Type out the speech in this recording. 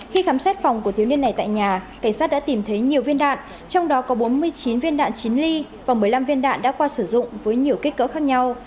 khi khám xét phòng của thiếu niên này tại nhà cảnh sát đã tìm thấy nhiều viên đạn trong đó có bốn mươi chín viên đạn chín ly và một mươi năm viên đạn đã qua sử dụng với nhiều kích cỡ khác nhau